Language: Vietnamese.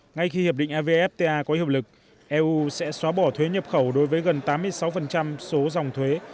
ngay khi hiệp định evfta có hiệp lực eu sẽ xóa bỏ thuế nhập khẩu đối với gần tám mươi sáu số dòng thuế